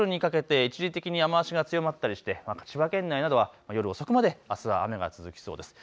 夜にかけて一時的に雨足が強まったりして千葉県などは夜遅くまであすは雨が続きそうです。